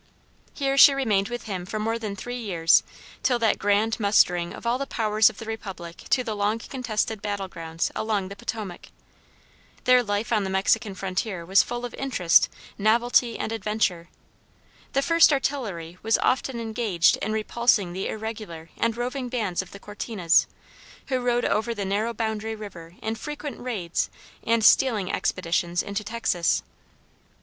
Here she remained with him for more than three years, till that grand mustering of all the powers of the Republic to the long contested battle grounds along the Potomac. Their life on the Mexican frontier was full of interest, novelty, and adventure. The First Artillery was often engaged in repulsing the irregular and roving bands of Cortinas, who rode over the narrow boundary river in frequent raids and stealing expeditions into Texas.